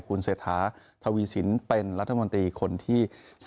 คุณเสถาทวีศิลป์เป็นรัฐมนตรีคนที่๓๐